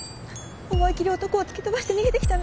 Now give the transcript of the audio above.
思い切り男を突き飛ばして逃げてきたんです。